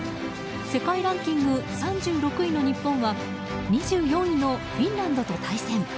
世界ランキング３６位の日本は２４位のフィンランドと対戦。